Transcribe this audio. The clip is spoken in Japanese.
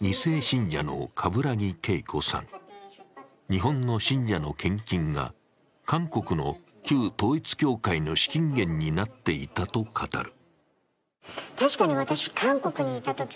日本の信者の献金が韓国の旧統一教会の資金源になっていたと語る。